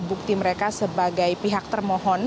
bukti mereka sebagai pihak termohon